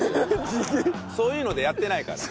そういうのでやってないから。